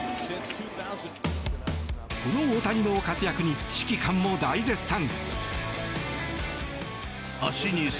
この大谷の活躍に指揮官も大絶賛。